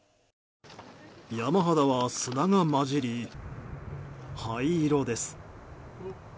山肌は砂が交じり、灰色です。